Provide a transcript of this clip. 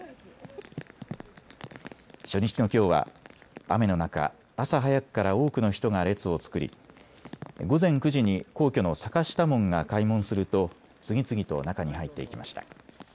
初日のきょうは雨の中、朝早くから多くの人が列を作り午前９時に皇居の坂下門が開門すると次々と中に入っていきました。